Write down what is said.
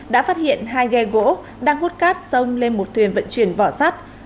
đã phát hiện hai ghe gỗ đang hút cát xông lên một thuyền vận chuyển vỏ sắt